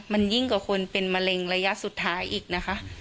มันยิ่งกว่าคนเป็นมะเร็งระยะสุดท้ายอีกนะคะ